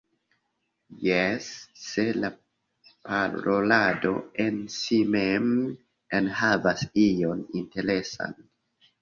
Jes, se la parolado en si mem enhavas ion interesan?